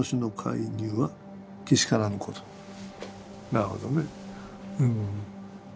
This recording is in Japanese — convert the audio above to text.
なるほどね。